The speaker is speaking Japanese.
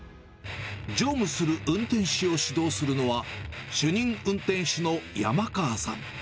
乗務する運転士を指導するのは、主任運転士の山川さん。